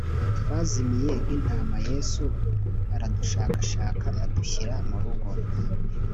Twazimiye nk’intama yesu aradushakashaka adushyira murugo